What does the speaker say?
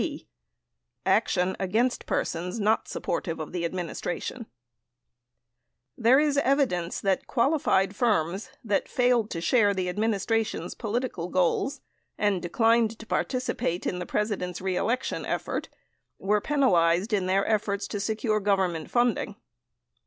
88 b. Action Against Persons Not Supportive of the Administration There is evidence that qualified firms that failed to share the ad ministration's political goals and declined to participate in the Presi dent's reelection effort were penalized in their efforts to secure Government funding.